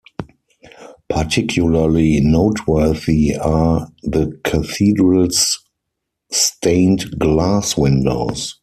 Particularly noteworthy are the cathedral's stained-glass windows.